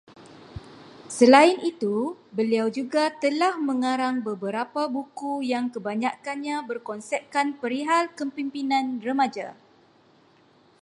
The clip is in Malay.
Selain itu, beliau juga telah mengarang beberapa buku yang kebanyakkannya berkonsepkan perihal kepemimpinan remaja